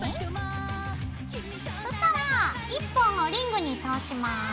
そしたら１本をリングに通します。